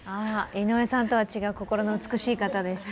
井上さんとは違う心の美しい方でした。